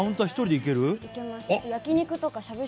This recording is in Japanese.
いけます